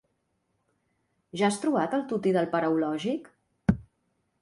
Ja has trobat el tutti del Paraulògic?